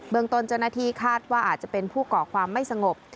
เบื้องตนจนนาทีคาดว่าอาจจะเป็นผู้ก่อความไม่สงบ